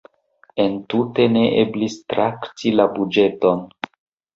Entute ne eblis trakti la buĝeton.